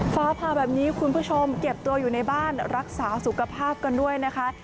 ฟ้าผ่าแบบนี้คุณผู้ชมเก็บตัวอยู่ในบ้านรักษาสุขภาพกันด้วยนะคะ